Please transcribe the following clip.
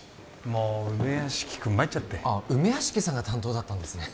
もう梅屋敷君参っちゃって梅屋敷さんが担当だったんですね